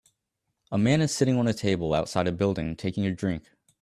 A man is sitting on a table outside a building taking a drink